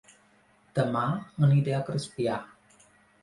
Dema aniré a Crespià